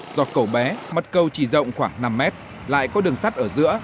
do cầu bé mật cầu chỉ rộng khoảng năm mét lại có đường sắt ở giữa